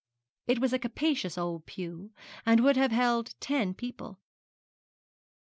It was a capacious old pew, and would have held ten people.